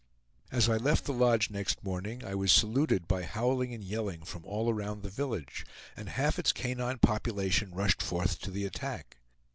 As I left the lodge next morning, I was saluted by howling and yelling from all around the village, and half its canine population rushed forth to the attack.